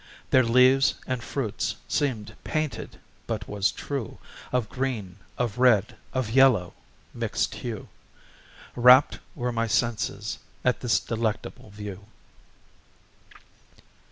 Their leaves and fruits, seem'd painted, but was true Of green, of red, of yellow, mixed hue, Rapt were my senses at this delectable view.